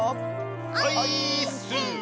オイーッス！